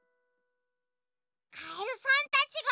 カエルさんたちが。